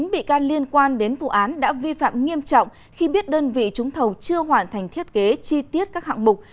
một mươi bị can liên quan đến vụ án đã vi phạm nghiêm trọng khi biết đơn vị trúng thầu chưa hoàn thành thiết kế chi tiết các hạng mục